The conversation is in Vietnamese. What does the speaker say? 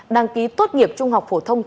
đăng ký tốt nghiệp trung học phổ thông